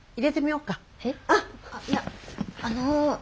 えっいやあの。